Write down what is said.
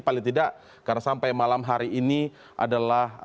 paling tidak karena sampai malam hari ini adalah